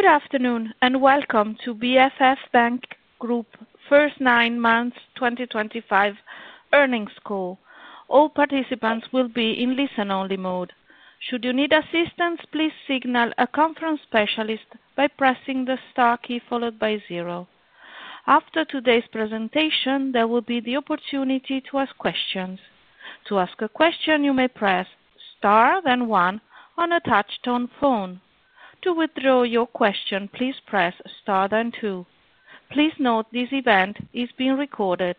Good afternoon and welcome to BFF Bank Group First Nine Months 2025 Earnings Call. All participants will be in listen-only mode. Should you need assistance, please signal a conference specialist by pressing the star key followed by zero. After today's presentation, there will be the opportunity to ask questions. To ask a question, you may press star then one on a touch-tone phone. To withdraw your question, please press star then two. Please note this event is being recorded.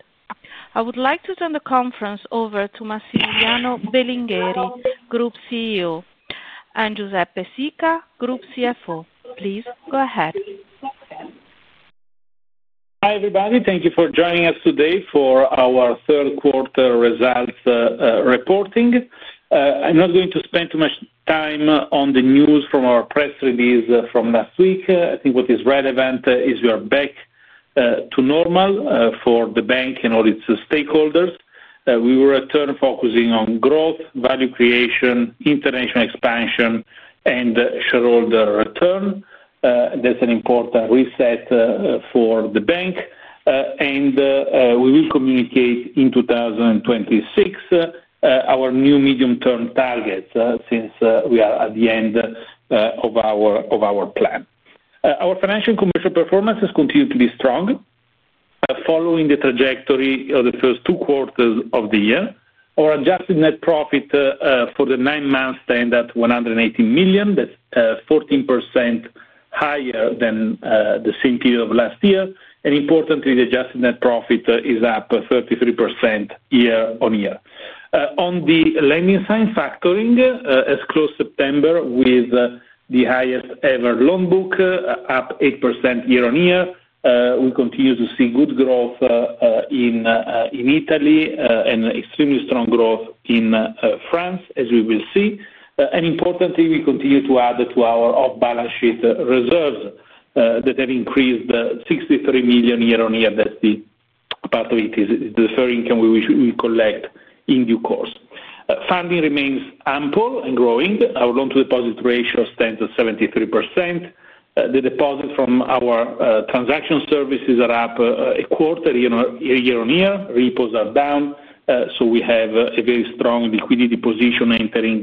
I would like to turn the conference over to Massimiliano Belingheri, Group CEO, and Giuseppe Sica, Group CFO. Please go ahead. Hi everybody. Thank you for joining us today for our third quarter results reporting. I'm not going to spend too much time on the news from our press release from last week. I think what is relevant is we are back to normal for the bank and all its stakeholders. We were a turn focusing on growth, value creation, international expansion, and shareholder return. That's an important reset for the bank. We will communicate in 2026 our new medium-term targets since we are at the end of our plan. Our financial and commercial performance has continued to be strong following the trajectory of the first two quarters of the year. Our adjusted net profit for the nine months stands at 180 million. That's 14% higher than the same period of last year. Importantly, the adjusted net profit is up 33% year on year. On the Lending & Factoring, as close September with the highest ever loan book, up 8% year on year. We continue to see good growth in Italy and extremely strong growth in France, as we will see. Importantly, we continue to add to our off-balance sheet reserves that have increased 63 million year on year. That is the part of it is the third income we collect in due course. Funding remains ample and growing. Our loan-to-deposit ratio stands at 73%. The deposits from our transaction services are up a quarter year on year. Repos are down. We have a very strong liquidity position entering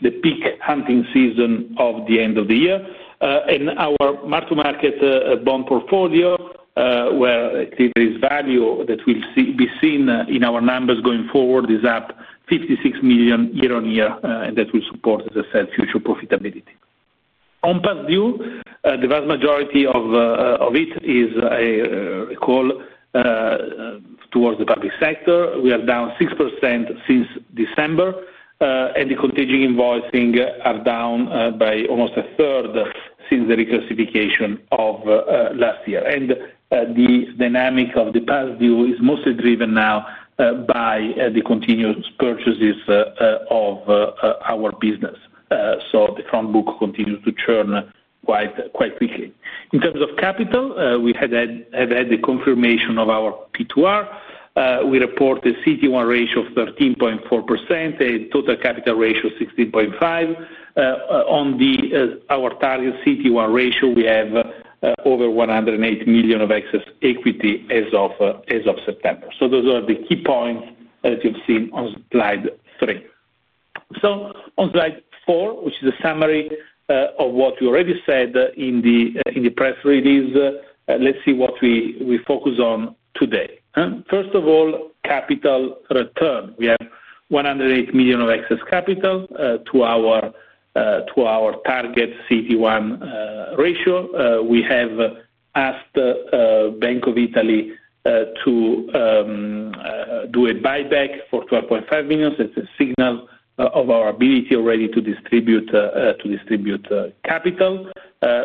the peak hunting season of the end of the year. Our mark-to-market bond portfolio, where there is value that will be seen in our numbers going forward, is up 56 million year on year. That will support the future profitability. On past due, the vast majority of it is a call towards the public sector. We are down 6% since December. The contaging invoicing are down by almost 1/3 since the recursification of last year. The dynamic of the past due is mostly driven now by the continuous purchases of our business. The front book continues to churn quite quickly. In terms of capital, we have had the confirmation of our P2R. We report a CET1 ratio of 13.4%, a Total Capital Ratio of 16.5%. On our target CET1 ratio, we have over 108 million of excess equity as of September. Those are the key points that you've seen on slide three. On slide four, which is a summary of what we already said in the press release, let's see what we focus on today. First of all, capital return. We have 108 million of excess capital to our target CET1 ratio. We have asked Bank of Italy to do a buyback for 12.5 million. That's a signal of our ability already to distribute capital.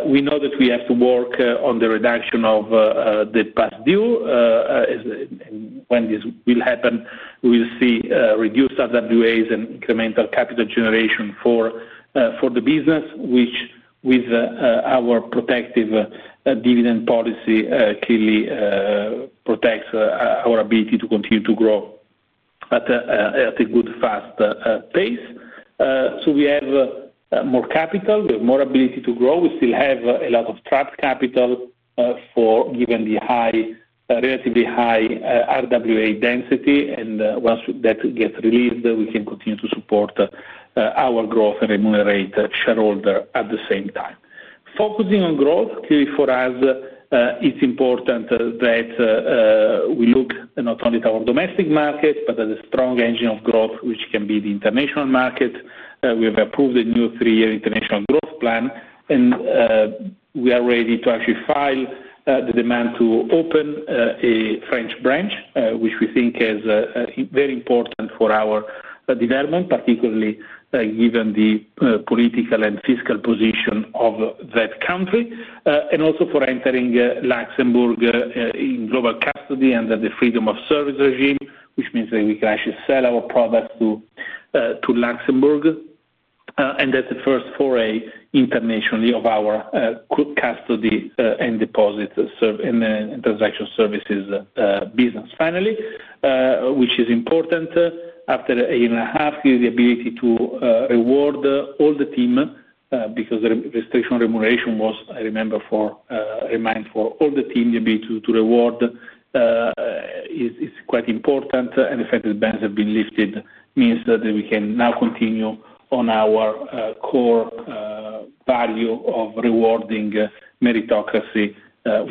We know that we have to work on the reduction of the past due. When this will happen, we will see reduced RWAs and incremental capital generation for the business, which with our protective dividend policy clearly protects our ability to continue to grow at a good fast pace. We have more capital. We have more ability to grow. We still have a lot of trapped capital given the relatively high RWA density. Once that gets released, we can continue to support our growth and remunerate shareholders at the same time. Focusing on growth, clearly for us, it's important that we look not only at our domestic market, but at a strong engine of growth, which can be the international market. We have approved a new three-year international growth plan. We are ready to actually file the demand to open a French branch, which we think is very important for our development, particularly given the political and fiscal position of that country. We are also entering Luxembourg in global custody under the Freedom of Service regime, which means that we can actually sell our products to Luxembourg. That is the first foray internationally of our custody and deposit and transaction services business. Finally, which is important after a year and a half, is the ability to reward all the team because the restriction remuneration was, I remember, for remind for all the team, the ability to reward is quite important. The fact that the bans have been lifted means that we can now continue on our core value of rewarding meritocracy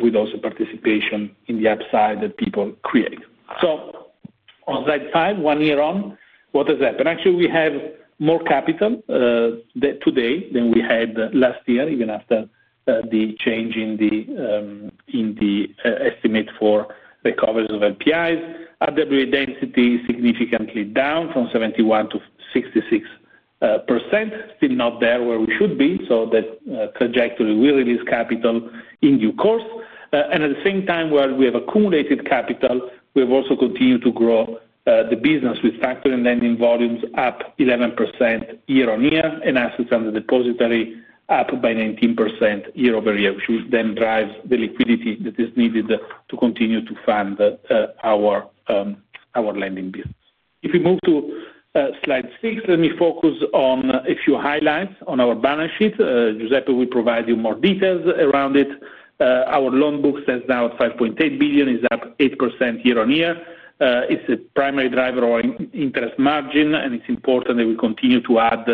with also participation in the upside that people create. On slide five, one year on, what has happened? Actually, we have more capital today than we had last year, even after the change in the estimate for recoveries of LPIs. RWA density is significantly down from 71% to 66%. Still not there where we should be. That trajectory will release capital in due course. At the same time where we have accumulated capital, we have also continued to grow the business with Factoring & Lending volumes up 11% year on year. Assets under depository are up by 19% year-over-year, which then drives the liquidity that is needed to continue to fund our Lending business. If we move to slide six, let me focus on a few highlights on our balance sheet. Giuseppe will provide you more details around it. Our loan book stands now at 5.8 billion, is up 8% year on year. It's a primary driver of our interest margin. It's important that we continue to add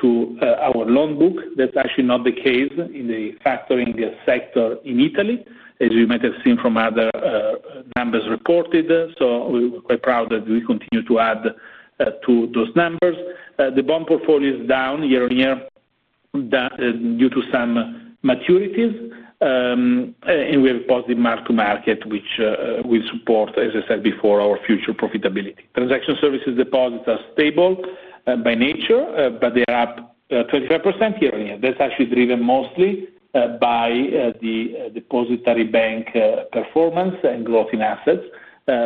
to our loan book. That's actually not the case in the factoring sector in Italy, as you might have seen from other numbers reported. We are quite proud that we continue to add to those numbers. The bond portfolio is down year on year due to some maturities. We have a positive mark-to-market, which will support, as I said before, our future profitability. Transaction Services deposits are stable by nature, but they are up 25% year on year. That's actually driven mostly by the depository bank performance and growth in assets,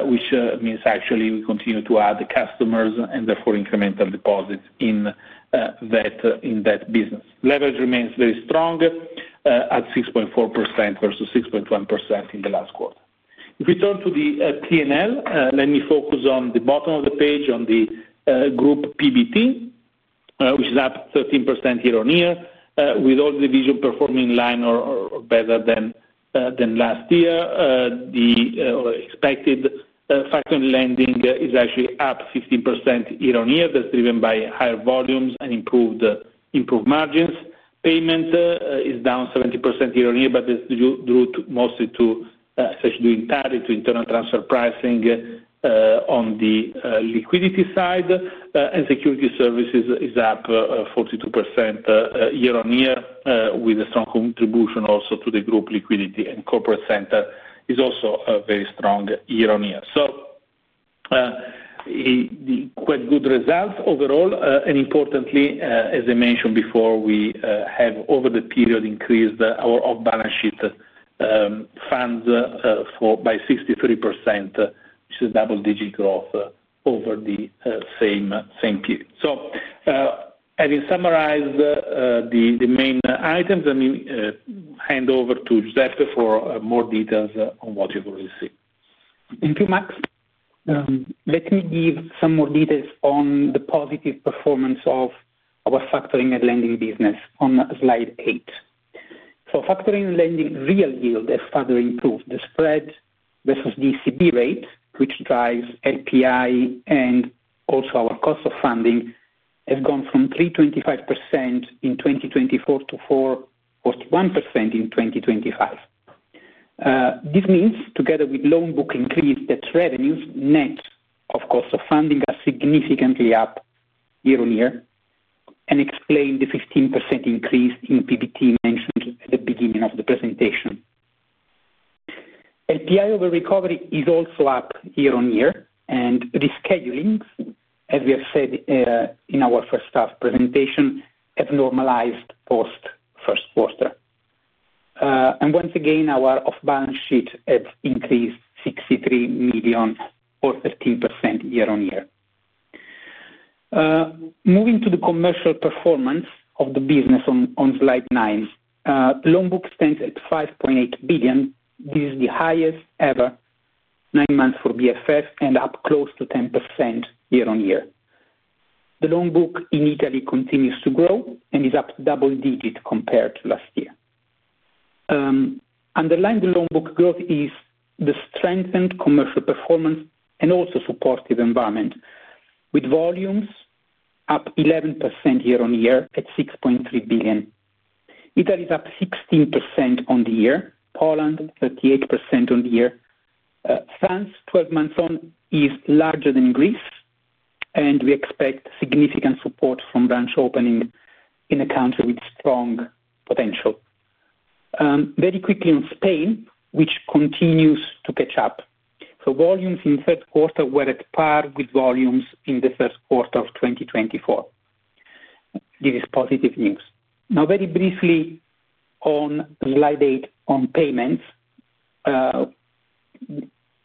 which means actually we continue to add customers and therefore incremental deposits in that business. Leverage remains very strong at 6.4% versus 6.1% in the last quarter. If we turn to the P&L, let me focus on the bottom of the page on the group PBT, which is up 13% year on year. With all the division performing in line or better than last year, the expected Factoring & Lending is actually up 15% year on year. That's driven by higher volumes and improved margins. Payments is down 70% year on year, but that's due mostly to, especially due in part, to internal transfer pricing on the liquidity side. And Securities Services is up 42% year on year, with a strong contribution also to the group liquidity. Corporate center is also very strong year on year. Quite good results overall. Importantly, as I mentioned before, we have over the period increased our off-balance sheet funds by 63%, which is a double-digit growth over the same period. Having summarized the main items, let me hand over to Giuseppe for more details on what you've already seen. Thank you, Max. Let me give some more details on the positive performance of our Factoring & Lending business on slide eight. Factoring & Lending real yield has further improved. The spread versus DCB rate, which drives LPI and also our cost of funding, has gone from 3.25% in 2024 to 4.41% in 2025. This means together with loan book increase, that revenues net of cost of funding are significantly up year on year, and explain the 15% increase in PBT mentioned at the beginning of the presentation. LPI over recovery is also up year on year. Rescheduling, as we have said in our first-half presentation, has normalized post first quarter. Once again, our off-balance sheet has increased 63 million or 13% year on year. Moving to the commercial performance of the business on slide nine, loan book stands at 5.8 billion. This is the highest ever nine months for BFF and up close to 10% year on year. The loan book in Italy continues to grow and is up double-digit compared to last year. Underlying the loan book growth is the strengthened commercial performance and also supportive environment, with volumes up 11% year on year at 6.3 billion. Italy is up 16% on the year. Poland, 38% on the year. France, 12 months on, is larger than Greece. We expect significant support from branch opening in a country with strong potential. Very quickly on Spain, which continues to catch up. Volumes in third quarter were at par with volumes in the first quarter of 2024. This is positive news. Now, very briefly on slide eight on payments.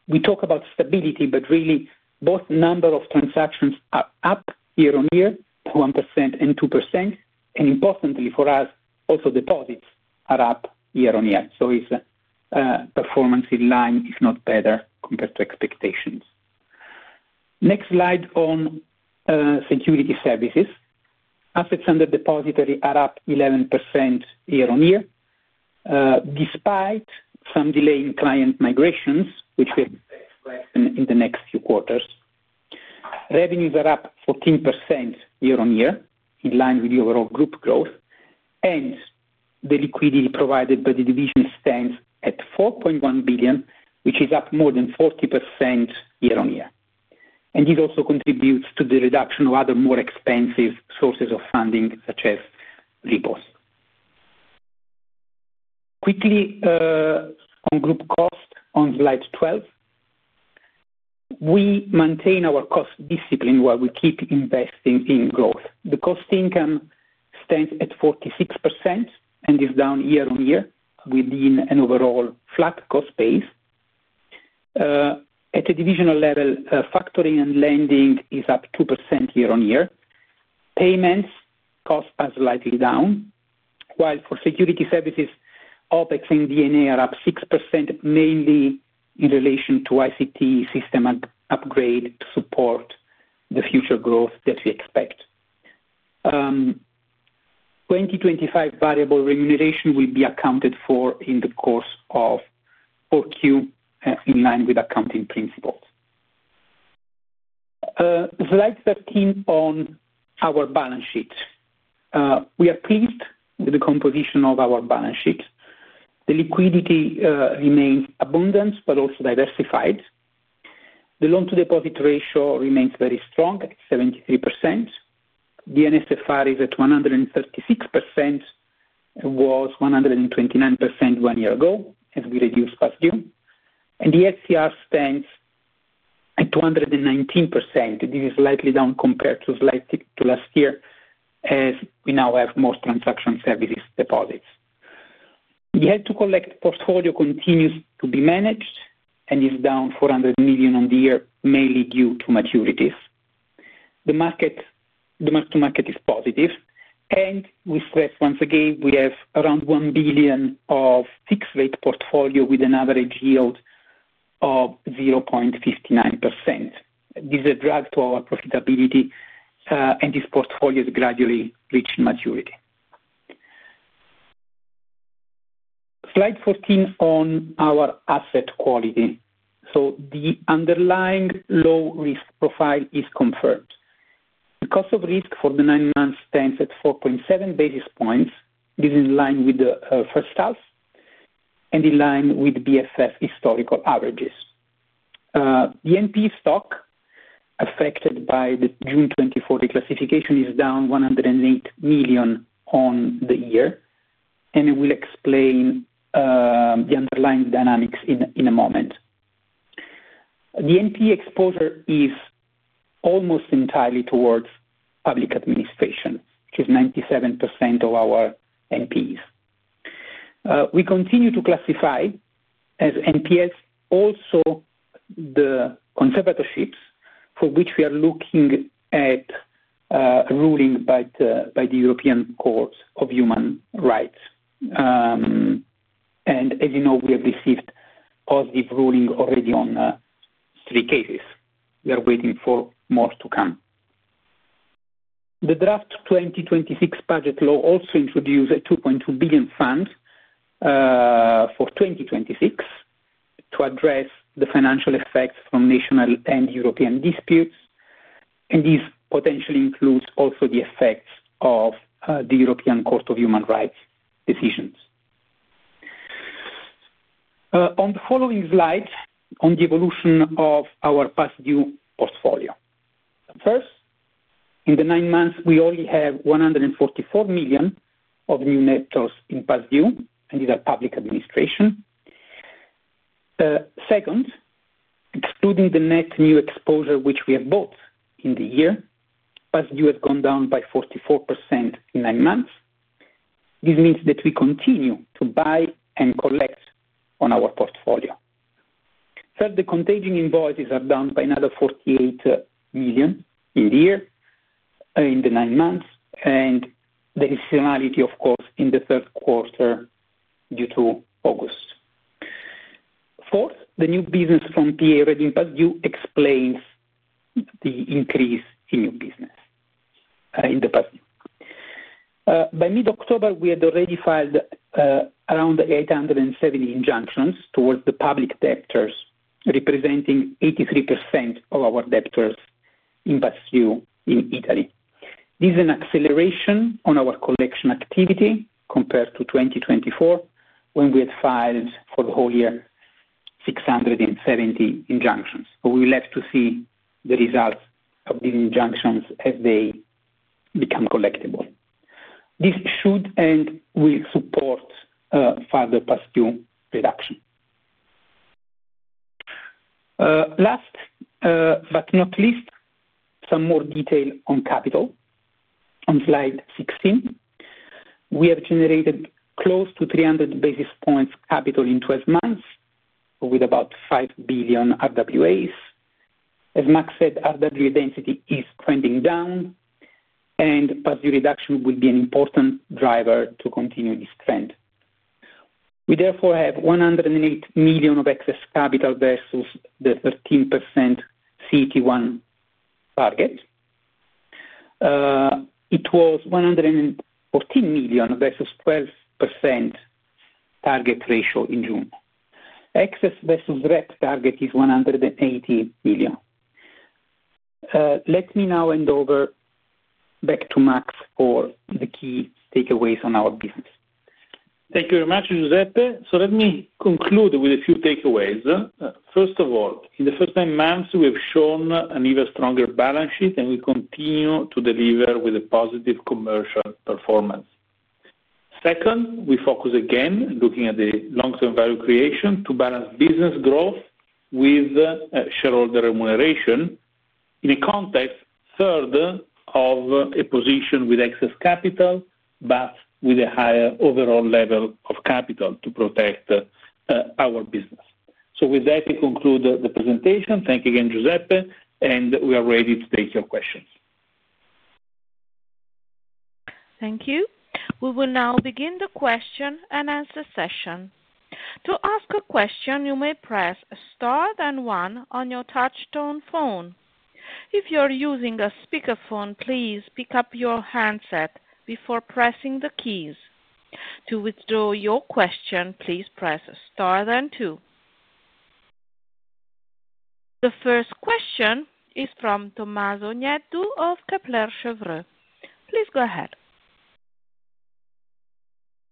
We talk about stability, but really both number of transactions are up year on year, 1% and 2%. Importantly for us, also deposits are up year on year. It is a performance in line, if not better, compared to expectations. Next slide on Security Services. Assets under depository are up 11% year on year, despite some delay in client migrations, which will be expected in the next few quarters. Revenues are up 14% year on year, in line with the overall group growth. The liquidity provided by the division stands at 4.1 billion, which is up more than 40% year on year. This also contributes to the reduction of other more expensive sources of funding, such as repos. Quickly on group cost on slide 12. We maintain our cost discipline while we keep investing in growth. The cost income stands at 46% and is down year on year, within an overall flat cost base. At the divisional level, Factoring & Lending is up 2% year on year. Payments cost are slightly down, while for Securities Services, OpEx and D&A are up 6%, mainly in relation to ICT system upgrade to support the future growth that we expect. 2025 variable remuneration will be accounted for in the course of 4Q in line with accounting principles. Slide 13 on our balance sheet. We are pleased with the composition of our balance sheet. The liquidity remains abundant, but also diversified. The loan-to-deposit ratio remains very strong at 73%. The NSFR is at 136% and was 129% one year ago, as we reduced past due. The SCR stands at 219%. This is slightly down compared to last year, as we now have more Transaction Services deposits. The head-to-collect portfolio continues to be managed and is down 400 million on the year, mainly due to maturities. The mark-to-market is positive. We stress once again, we have around 1 billion of fixed-rate portfolio with an average yield of 0.59%. This is a drag to our profitability, and this portfolio is gradually reaching maturity. Slide 14 on our asset quality. The underlying low-risk profile is confirmed. The cost of risk for the nine months stands at 4.7 basis points. This is in line with the first half and in line with BFF historical averages. The NP stock affected by the June 2024 reclassification is down 108 million on the year. We will explain the underlying dynamics in a moment. The NP exposure is almost entirely towards public administration, which is 97% of our NPs. We continue to classify as NPLs also the conservatorships for which we are looking at ruling by the European Court of Human Rights. As you know, we have received positive ruling already on three cases. We are waiting for more to come. The draft 2026 budget law also introduced a 2.2 billion fund for 2026 to address the financial effects from national and European disputes. This potentially includes also the effects of the European Court of Human Rights decisions. On the following slide, on the evolution of our past due portfolio. First, in the nine months, we only have 144 million of new net in past due, and these are public administration. Second, excluding the net new exposure, which we have bought in the year, past due has gone down by 44% in nine months. This means that we continue to buy and collect on our portfolio. Third, the contaging invoices are down by another 48 million in the year, in the nine months. The additionality, of course, in the third quarter is due to August. Fourth, the new business from PA reading past due explains the increase in new business in the past due. By mid-October, we had already filed around 870 injunctions towards the public debtors, representing 83% of our debtors in past due in Italy. This is an acceleration on our collection activity compared to 2024, when we had filed for the whole year 670 injunctions. We will have to see the results of these injunctions as they become collectible. This should and will support further past due reduction. Last but not least, some more detail on capital. On slide 16, we have generated close to 300 basis points capital in 12 months, with about 5 billion RWAs. As Max said, RWA density is trending down, and past due reduction will be an important driver to continue this trend. We therefore have 108 million of excess capital versus the 13% CET1 target. It was 114 million versus 12% target ratio in June. Excess versus rep target is 180 million. Let me now hand over back to Max for the key takeaways on our business. Thank you very much, Giuseppe. Let me conclude with a few takeaways. First of all, in the first nine months, we have shown an even stronger balance sheet, and we continue to deliver with a positive commercial performance. Second, we focus again looking at the long-term value creation to balance business growth with shareholder remuneration in a context further of a position with excess capital, but with a higher overall level of capital to protect our business. With that, we conclude the presentation. Thank you again, Giuseppe, and we are ready to take your questions. Thank you. We will now begin the question-and-answer session. To ask a question, you may press star then one on your touch-tone phone. If you're using a speakerphone, please pick up your handset before pressing the keys. To withdraw your question, please press star then two. The first question is from Tommaso Nieddu of Kepler Cheuvreux. Please go ahead.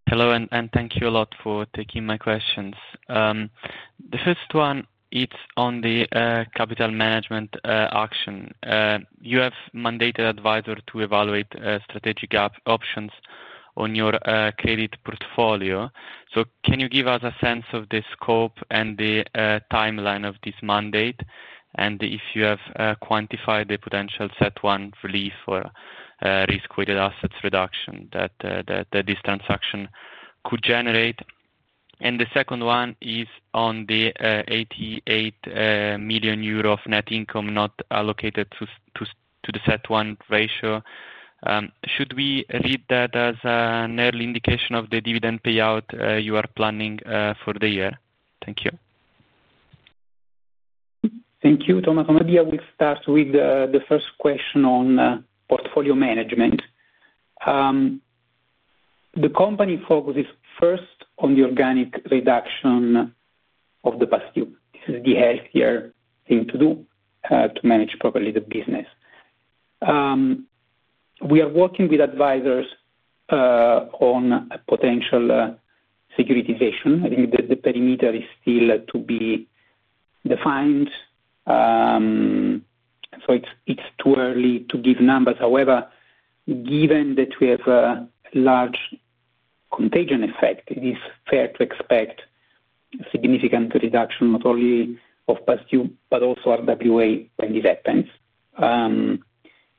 Hello, and thank you a lot for taking my questions. The first one, it's on the capital management action. You have mandated advisor to evaluate strategic options on your credit portfolio. Can you give us a sense of the scope and the timeline of this mandate, and if you have quantified the potential CET1 relief or risk-weighted assets reduction that this transaction could generate? The second one is on the 88 million euro of net income not allocated to the CET1 ratio. Should we read that as an early indication of the dividend payout you are planning for the year? Thank you. Thank you, Tommaso. Maybe I will start with the first question on portfolio management. The company focuses first on the organic reduction of the past due. This is the healthier thing to do to manage properly the business. We are working with advisors on potential securitization. I think that the perimeter is still to be defined. It is too early to give numbers. However, given that we have a large contagion effect, it is fair to expect a significant reduction, not only of past due, but also RWA when this happens.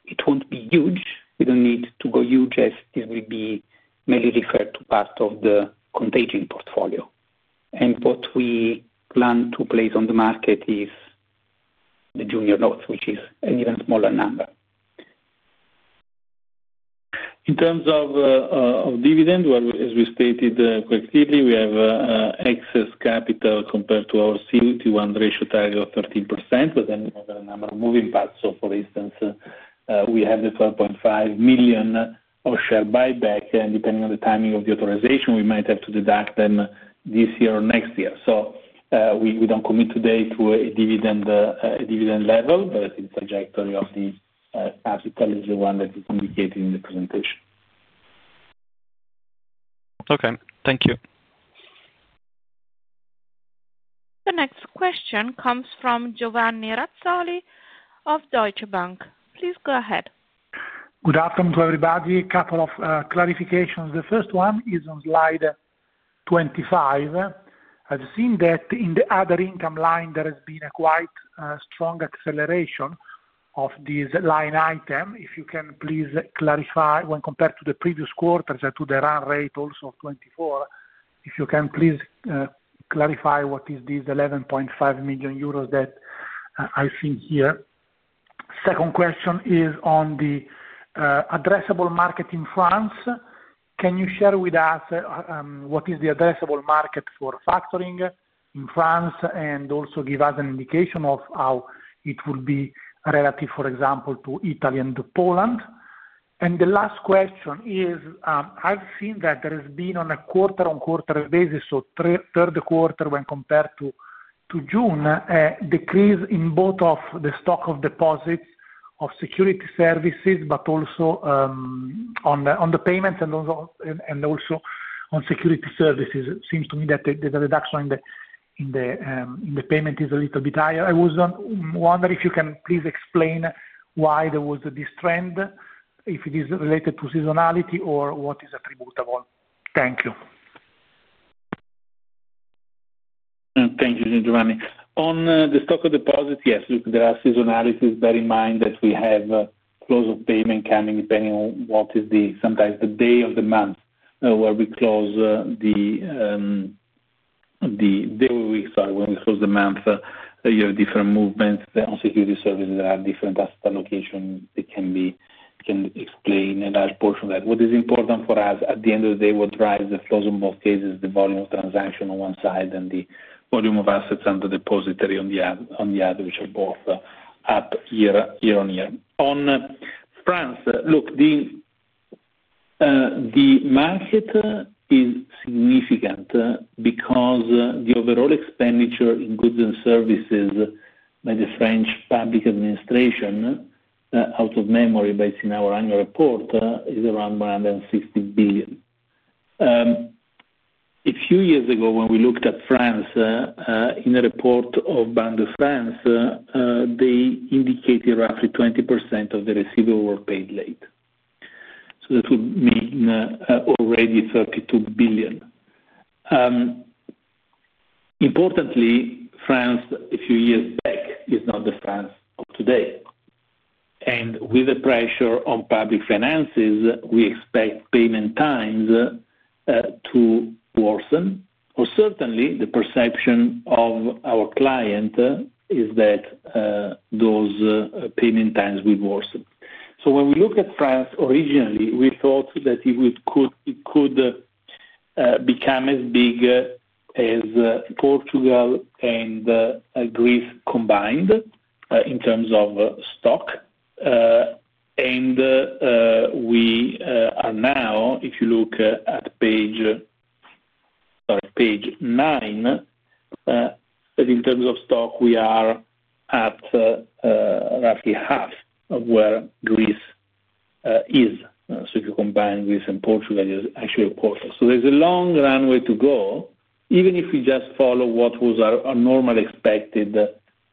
It will not be huge. We do not need to go huge as this will be mainly referred to part of the contagion portfolio. What we plan to place on the market is the junior notes, which is an even smaller number. In terms of dividend, as we stated collectively, we have excess capital compared to our CET1 ratio target of 13%, but then we have a number of moving parts. For instance, we have the 12.5 million of share buyback, and depending on the timing of the authorization, we might have to deduct them this year or next year. We do not commit today to a dividend level, but the trajectory of the capital is the one that is indicated in the presentation. Okay. Thank you. The next question comes from Giovanni Razzoli of Deutsche Bank. Please go ahead. Good afternoon to everybody. A couple of clarifications. The first one is on slide 25. I've seen that in the other income line, there has been a quite strong acceleration of this line item. If you can please clarify, when compared to the previous quarters and to the run rate also of 2024, if you can please clarify what is this 11.5 million euros that I've seen here. Second question is on the addressable market in France. Can you share with us what is the addressable market for factoring in France and also give us an indication of how it will be relative, for example, to Italy and to Poland? The last question is, I've seen that there has been on a quarter-on-quarter basis, so third quarter when compared to June, a decrease in both of the stock of deposits of Securities Services, but also on the payments and also on Securities Services. It seems to me that the reduction in the payment is a little bit higher. I was wondering if you can please explain why there was this trend, if it is related to seasonality or what it is attributable to? Thank you. Thank you, Giovanni. On the stock of deposits, yes, look, there are seasonalities. Bear in mind that we have close of payment coming depending on what is sometimes the day of the month where we close the day where we close the month, you have different movements. On Securities Services, there are different asset allocations. It can explain a large portion of that. What is important for us at the end of the day, what drives the flows in both cases, the volume of transaction on one side and the volume of assets under depository on the other, which are both up year on year. On France, look, the market is significant because the overall expenditure in goods and services by the French public administration, out of memory, based in our annual report, is around 160 billion. A few years ago, when we looked at France in a report of Banque de France, they indicated roughly 20% of the receivable were paid late. That would mean already 32 billion. Importantly, France a few years back is not the France of today. With the pressure on public finances, we expect payment times to worsen. Certainly, the perception of our client is that those payment times will worsen. When we look at France originally, we thought that it could become as big as Portugal and Greece combined in terms of stock. We are now, if you look at page nine, in terms of stock, at roughly half of where Greece is. If you combine Greece and Portugal, you actually have Portugal. There is a long runway to go, even if we just follow what was our normal expected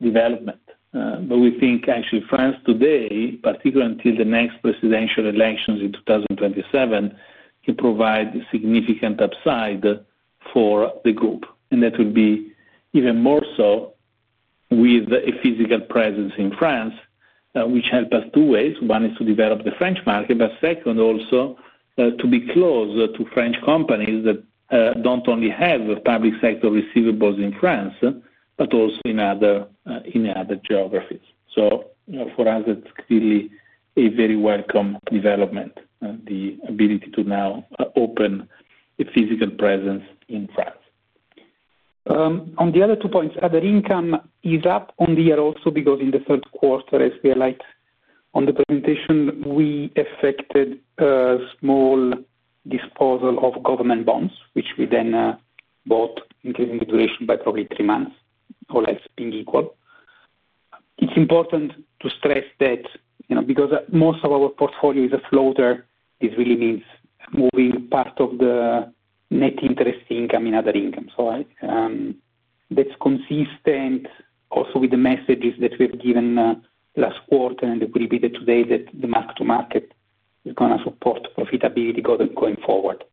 development. We think actually France today, particularly until the next presidential elections in 2027, can provide significant upside for the group. That will be even more so with a physical presence in France, which helps us two ways. One is to develop the French market, but second, also to be close to French companies that do not only have public sector receivables in France, but also in other geographies. For us, that is clearly a very welcome development, the ability to now open a physical presence in France. On the other two points, other income is up on the year also because in the third quarter, as we highlight on the presentation, we effected a small disposal of government bonds, which we then bought, increasing the duration by probably three months or less being equal. It's important to stress that because most of our portfolio is a floater, this really means moving part of the net interest income in other income. That is consistent also with the messages that we have given last quarter, and we repeated today that the mark-to-market is going to support profitability going forward.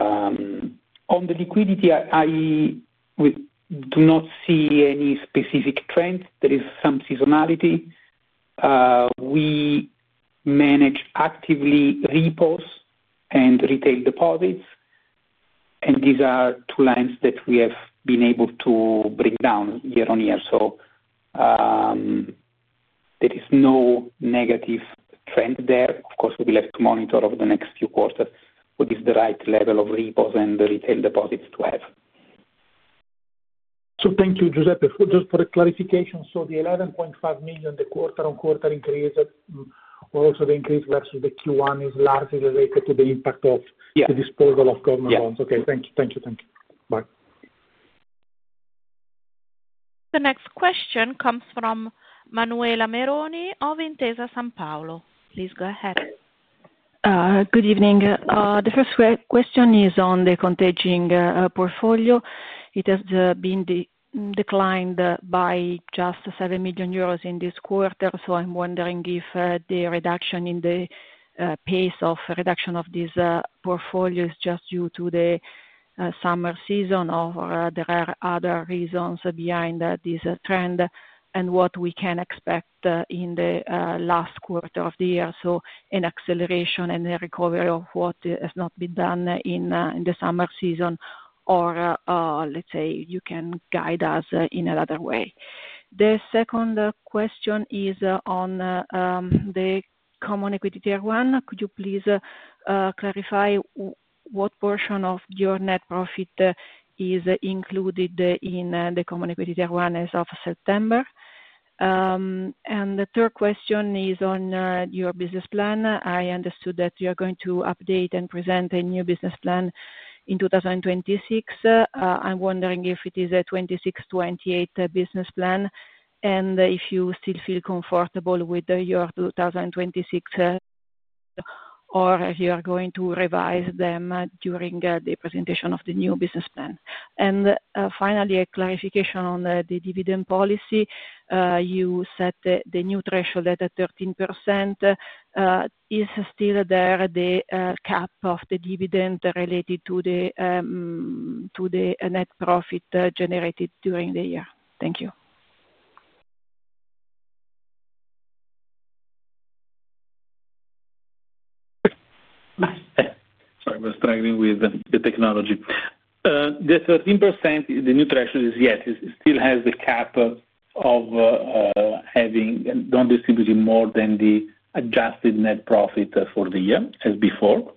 On the liquidity, I do not see any specific trends. There is some seasonality. We manage actively repos and retail deposits. These are two lines that we have been able to bring down year on year. There is no negative trend there. Of course, we will have to monitor over the next few quarters what is the right level of repos and retail deposits to have. Thank you. Giuseppe, just for the clarification, the 11.5 million quarter-on-quarter increase or also the increase versus the Q1 is largely related to the impact of the disposal of government bonds? Yes. Okay. Thank you. Thank you. Thank you. Bye. The next question comes from Manuela Meroni of Intesa Sanpaolo. Please go ahead. Good evening. The first question is on the contaging portfolio. It has been declined by just 7 million euros in this quarter. I am wondering if the reduction in the pace of reduction of this portfolio is just due to the summer season or if there are other reasons behind this trend and what we can expect in the last quarter of the year. An acceleration and a recovery of what has not been done in the summer season or, let's say, you can guide us in another way. The second question is on the Common Equity Tier 1. Could you please clarify what portion of your net profit is included in the Common Equity Tier 1 as of September? The third question is on your business plan. I understood that you are going to update and present a new business plan in 2026. I'm wondering if it is a 2026-2028 business plan and if you still feel comfortable with your 2026 or if you are going to revise them during the presentation of the new business plan. Finally, a clarification on the dividend policy. You set the new threshold at 13%. Is there still the cap of the dividend related to the net profit generated during the year? Thank you. Sorry, I was struggling with the technology. The 13%, the new threshold, still has the cap of having non-distributed more than the adjusted net profit for the year as before.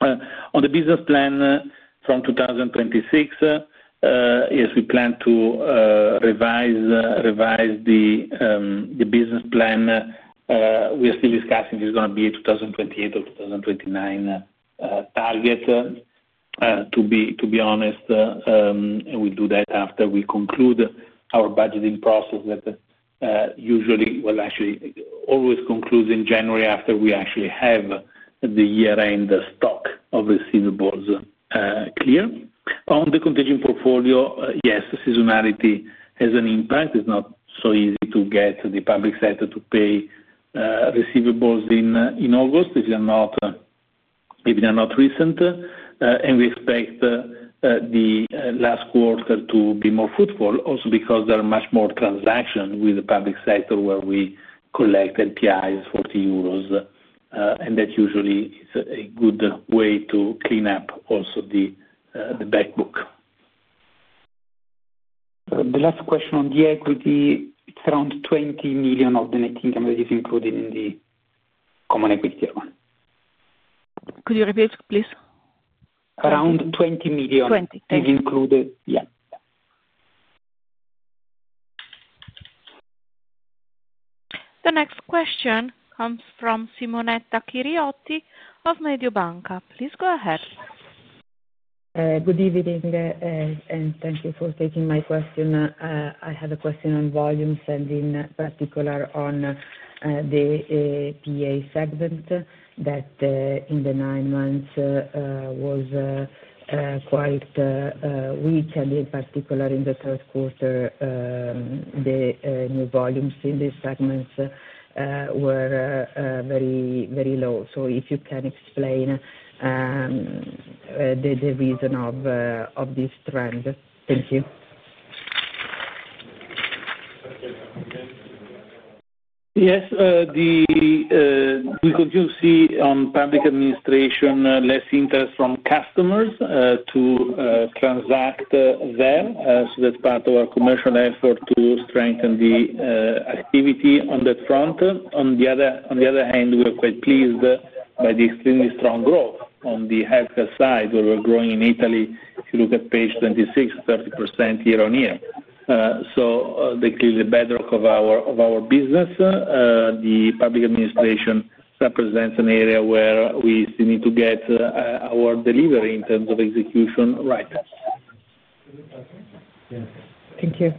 On the business plan from 2026, yes, we plan to revise the business plan. We are still discussing if it is going to be a 2028 or 2029 target. To be honest, we will do that after we conclude our budgeting process that usually, actually always, concludes in January after we actually have the year-end stock of receivables clear. On the contagion portfolio, yes, seasonality has an impact. It is not so easy to get the public sector to pay receivables in August if they are not recent. We expect the last quarter to be more fruitful also because there are much more transactions with the public sector where we collect NPIs for the euros. That usually is a good way to clean up also the backbook. The last question on the equity, it's around 20 million of the net income that is included in the Common Equity Tier 1. Could you repeat, please? Around 20 million. 20. Is included. 20. Yeah. The next question comes from Simonetta Chiriotti of Mediobanca. Please go ahead. Good evening and thank you for taking my question. I have a question on volume sending, particularly on the PA segment that in the nine months was quite weak. In particular, in the third quarter, the new volumes in these segments were very low. If you can explain the reason of this trend. Thank you. Yes. We continue to see on public administration less interest from customers to transact there. That is part of our commercial effort to strengthen the activity on that front. On the other hand, we are quite pleased by the extremely strong growth on the healthcare side where we are growing in Italy. If you look at page 26, 30% year on year. The bedrock of our business, the public administration, represents an area where we still need to get our delivery in terms of execution right. Thank you.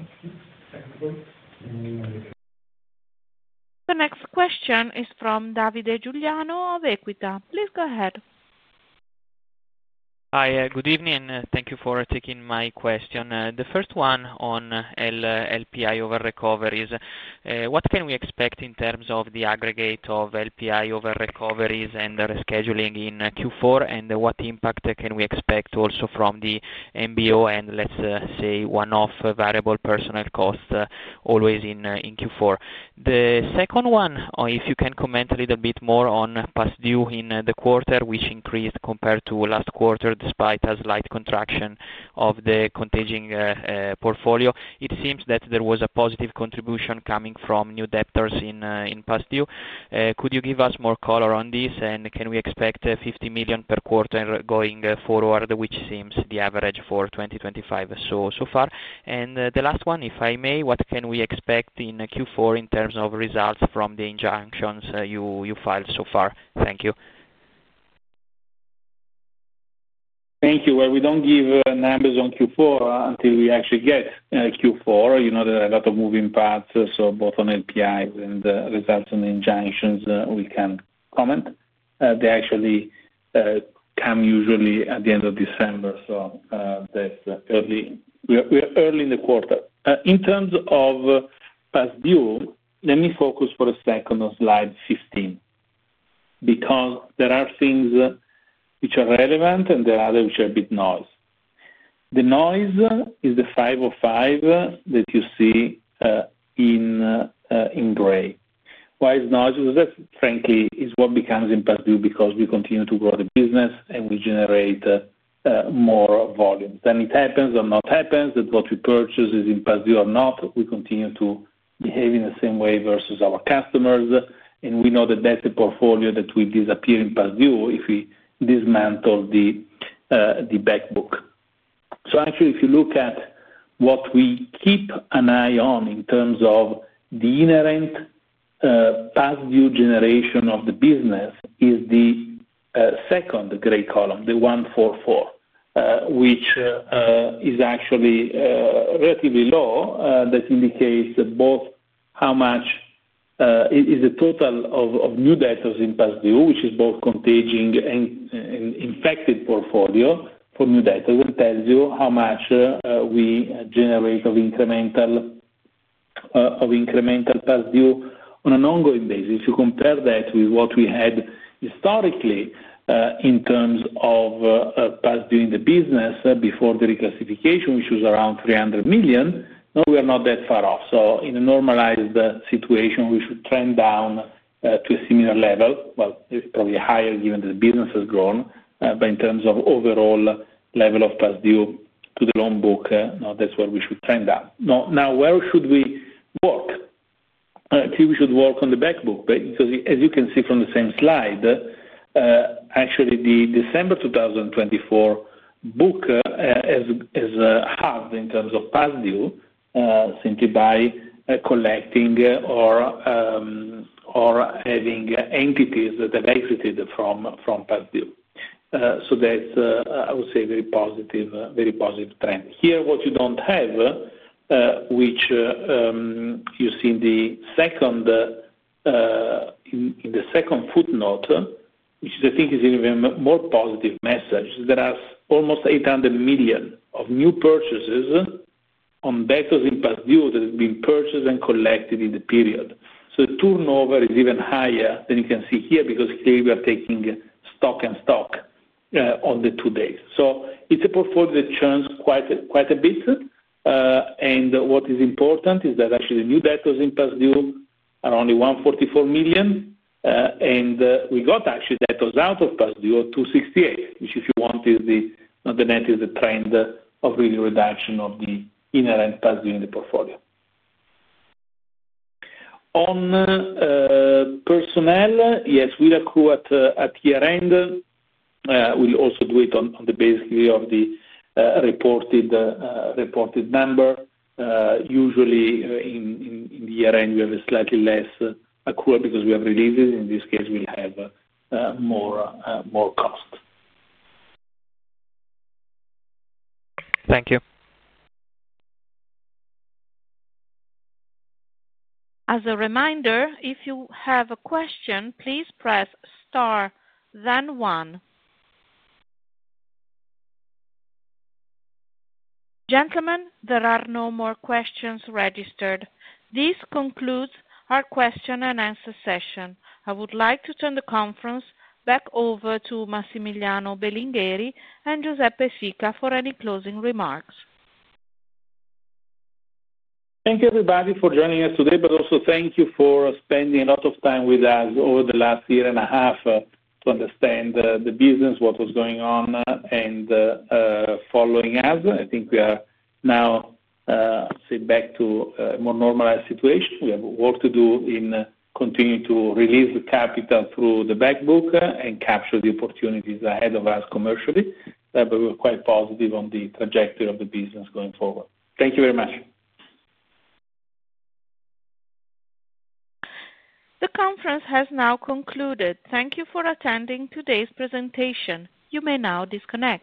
The next question is from Davide Giuliano of Equita. Please go ahead. Hi. Good evening and thank you for taking my question. The first one on LPI over recoveries. What can we expect in terms of the aggregate of LPI over recoveries and rescheduling in Q4? What impact can we expect also from the MBO and let's say one-off variable personal cost always in Q4? The second one, if you can comment a little bit more on past due in the quarter, which increased compared to last quarter despite a slight contraction of the contaging portfolio. It seems that there was a positive contribution coming from new debtors in past due. Could you give us more color on this? Can we expect 50 million per quarter going forward, which seems the average for 2025 so far? The last one, if I may, what can we expect in Q4 in terms of results from the injunctions you filed so far? Thank you. Thank you. We do not give numbers on Q4 until we actually get Q4. There are a lot of moving parts. Both on LPIs and results on injunctions, we can comment. They actually come usually at the end of December. We are early in the quarter. In terms of past due, let me focus for a second on slide 15 because there are things which are relevant and there are others which are a bit noise. The noise is the 505 that you see in gray. Why is it noise? Because that, frankly, is what becomes in past due because we continue to grow the business and we generate more volume. It happens or does not happen that what we purchase is in past due or not, we continue to behave in the same way versus our customers. We know that that's a portfolio that will disappear in past due if we dismantle the backbook. Actually, if you look at what we keep an eye on in terms of the inherent past due generation of the business, it is the second gray column, the 144, which is actually relatively low. That indicates both how much is the total of new debtors in past due, which is both contaging and infected portfolio for new debtors, and tells you how much we generate of incremental past due on an ongoing basis. If you compare that with what we had historically in terms of past due in the business before the reclassification, which was around 300 million, we are not that far off. In a normalized situation, we should trend down to a similar level. It is probably higher given that the business has grown. In terms of overall level of past due to the loan book, that's where we should trend down. Now, where should we work? I think we should work on the backbook because, as you can see from the same slide, actually the December 2024 book has halved in terms of past due simply by collecting or having entities that have exited from past due. I would say that's a very positive trend. Here, what you do not have, which you see in the second footnote, which I think is an even more positive message, there are almost 800 million of new purchases on debtors in past due that have been purchased and collected in the period. The turnover is even higher than you can see here because clearly we are taking stock and stock on the two days. It is a portfolio that churns quite a bit. What is important is that actually the new debtors in past due are only 144 million. We got actually debtors out of past due of 268 million, which, if you want, is the net, is the trend of really reduction of the inherent past due in the portfolio. On personnel, yes, we'll accrue at year-end. We'll also do it on the basis of the reported number. Usually, in the year-end, we have a slightly less accrual because we have releases. In this case, we'll have more cost. Thank you. As a reminder, if you have a question, please press star, then one. Gentlemen, there are no more questions registered. This concludes our question-and-answer session. I would like to turn the conference back over to Massimiliano Belingheri and Giuseppe Sica for any closing remarks. Thank you, everybody, for joining us today, but also thank you for spending a lot of time with us over the last year and a half to understand the business, what was going on, and following us. I think we are now, I'd say, back to a more normalized situation. We have work to do in continuing to release the capital through the backbook and capture the opportunities ahead of us commercially. We are quite positive on the trajectory of the business going forward. Thank you very much. The conference has now concluded. Thank you for attending today's presentation. You may now disconnect.